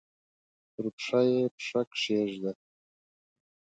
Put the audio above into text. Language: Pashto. پر پښه یې پښه کښېږده!